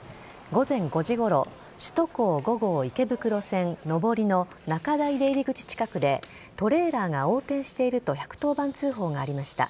午前５時ごろ首都高５号池袋線上りの中台出入口近くでトレーラーが横転していると１１０番通報がありました。